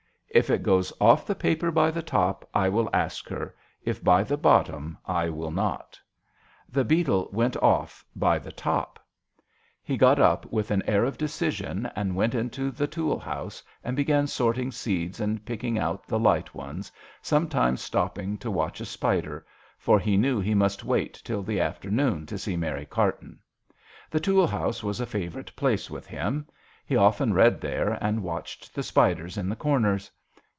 " If it goes off the paper by the top I will ask her if by the bottom I will not." The beetle went off by the 3 .26 JOHN SHERMAN. top. He got up with an air of decision and went into the tool house and began sorting seeds and picking out the light ones, sometimes stopping to watch a spider; for he knew he must wait till the afternoon to see Mary Carton. The tool house was a favourite place with him. He often read there and watched the spiders in the corners.